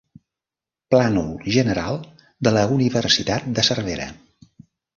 Plànol General de la Universitat de Cervera.